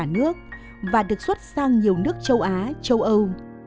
trên thị trường cả nước và được xuất sang nhiều nước châu á châu âu